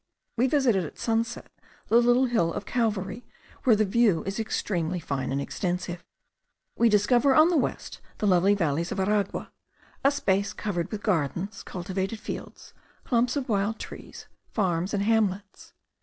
We visited at sunset the little hill of Calvary, where the view is extremely fine and extensive. We discover on the west the lovely valleys of Aragua, a vast space covered with gardens, cultivated fields, clumps of wild trees, farms, and hamlets.